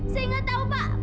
saya enggak tahu pak